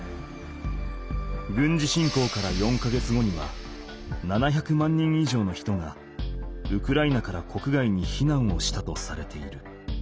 軍事侵攻から４か月後には７００万人以上の人がウクライナから国外に避難をしたとされている。